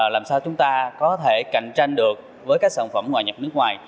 làm sao chúng ta có thể cạnh tranh được với các sản phẩm ngoại nhập nước ngoài